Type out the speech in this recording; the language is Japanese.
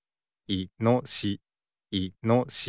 いのしし。